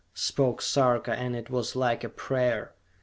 spoke Sarka, and it was like a prayer.